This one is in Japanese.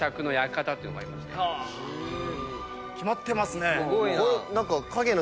キマってますね。